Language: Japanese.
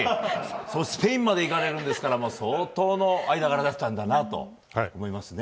スペインまで行かれるんですから相当の間柄だったんだなと思います。